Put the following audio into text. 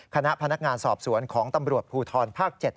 คณะพนักงานสอบสวนของตำรวจภูทรภาค๗